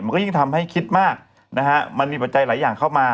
มันก็ยิ่งทำให้คิดมากนะฮะมันมีปัจจัยหลายอย่างเข้ามา